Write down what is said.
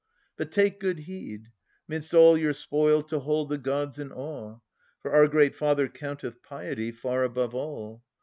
But, take good heed. Midst all your spoil to hold the gods in awe. For our great Father counteth piety Far above all.